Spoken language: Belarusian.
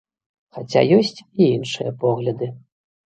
Хаця ёсць і іншыя погляды.